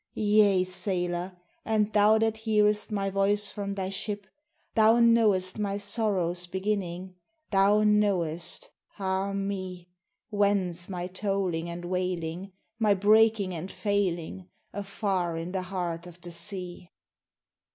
Yea, sailor! and thou that hearest my voice from thy ship, Thou knowest my sorrow's beginning, thou knowest, ah me! Whence my tolling and wailing, my breaking and failing, afar in the heart of the sea.